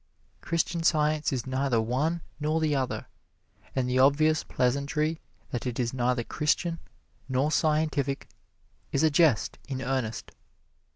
Christian Science is neither one nor the other, and the obvious pleasantry that it is neither Christian nor scientific is a jest in earnest.